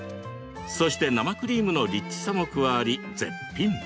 そして、生クリームのリッチさも加わり絶品。